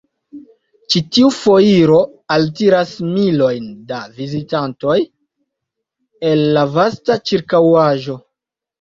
Ĉi tiu foiro altiras milojn da vizitantoj el la vasta ĉirkaŭaĵo.